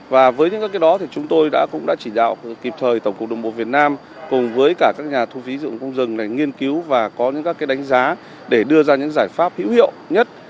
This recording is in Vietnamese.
và với những các cái đó thì chúng tôi đã cũng đã chỉ đạo kịp thời tổng cục đồng bộ việt nam cùng với cả các nhà thu phí sử dụng công dừng để nghiên cứu và có những các đánh giá để đưa ra những giải pháp hữu hiệu nhất